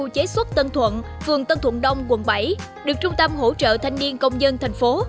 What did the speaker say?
chế xuất tân thuận phường tân thuận đông quận bảy được trung tâm hỗ trợ thanh niên công dân thành phố